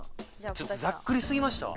ちょっとざっくりすぎましたわ。